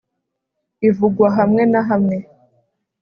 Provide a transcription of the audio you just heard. Ivugwa hamwe na hamwe